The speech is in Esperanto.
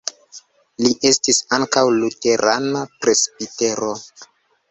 Li estis ankaŭ luterana presbitero.